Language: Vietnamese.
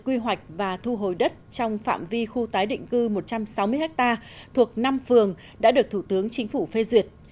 quy hoạch và thu hồi đất trong phạm vi khu tái định cư một trăm sáu mươi ha thuộc năm phường đã được thủ tướng chính phủ phê duyệt